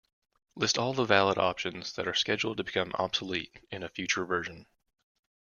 List all the valid options that are scheduled to become obsolete in a future version.